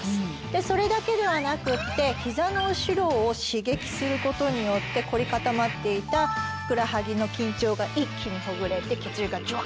それだけではなくって膝の後ろを刺激することによって凝り固まっていたふくらはぎの緊張が一気にほぐれて。